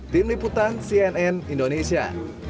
tim liputan cnn indonesia